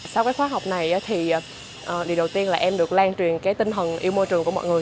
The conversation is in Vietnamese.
sau cái khóa học này thì điều đầu tiên là em được lan truyền tinh thần yêu môi trường của mọi người